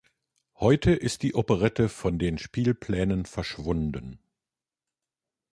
Heute ist die Operette von den Spielplänen verschwunden.